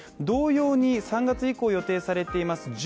同様に３月以降予定されています